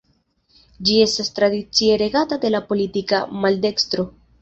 Ĝi estas tradicie regata de la politika maldekstro.